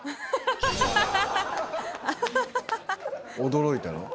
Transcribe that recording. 驚いたの？